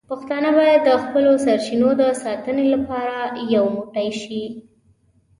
پښتانه باید د خپلو سرچینو د ساتنې لپاره یو موټی شي.